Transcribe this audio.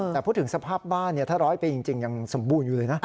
แต่พูดถึงสภาพบ้านถ้าร้อยปีจริงยังสมบูรณ์อยู่เลยนะ